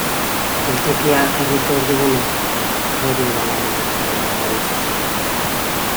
Geltokia herriko erdigunean dago, Errobi ibaiaren ekialdean hain zuzen ere.